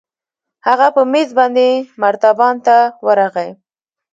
هغه په مېز باندې مرتبان ته ورغى.